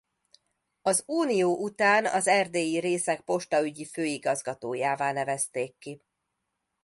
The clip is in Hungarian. Az unió után az erdélyi részek postaügyi főigazgatójává nevezték ki.